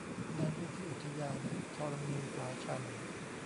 ในพื้นที่อุทยานธรณีผาชัน